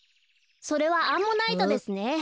それはアンモナイトですね。